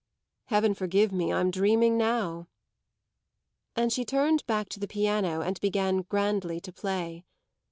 Heaven forgive me, I'm dreaming now!" And she turned back to the piano and began grandly to play.